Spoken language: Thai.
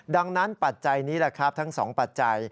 ดังนั้นปัจจัยนี้แหละครับทั้งสองปัจจัย